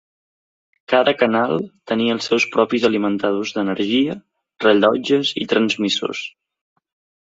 Cada canal tenia els seus propis alimentadors d'energia, rellotges i transmissors.